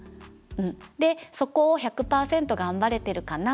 でそこを１００％頑張れてるかな？